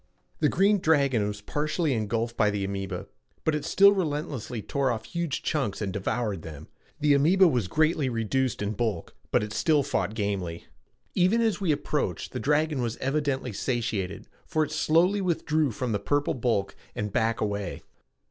The green dragon was partially engulfed by the amoeba, but it still relentlessly tore off huge chunks and devoured them. The amoeba was greatly reduced in bulk but it still fought gamely. Even as we approached the dragon was evidently satiated, for it slowly withdrew from the purple bulk and back away.